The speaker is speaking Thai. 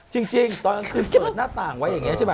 จริงตอนกลางคืนเปิดหน้าต่างไว้อย่างนี้ใช่ไหม